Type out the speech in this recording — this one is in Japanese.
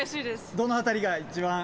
どの辺りが一番？